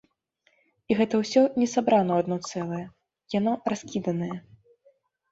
І гэта ўсё не сабрана ў адно цэлае, яно раскіданае.